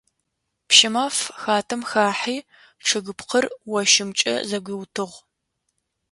Пщымаф хатэм хахьи чъыгыпкъыр ощымкӀэ зэгуиутыгъ.